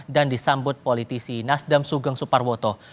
disambut politisi nasdem sugeng suparwoto